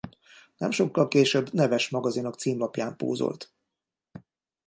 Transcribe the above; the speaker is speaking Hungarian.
Nem sokkal később neves magazinok címlapján pózolt.